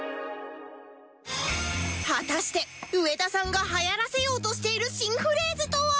果たして上田さんが流行らせようとしている新フレーズとは？